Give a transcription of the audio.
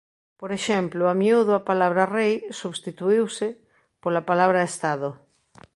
Por exemplo a miúdo a palabra "rei" substituíuse pola palabra "estado".